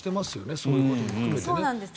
そういうことを含めてね。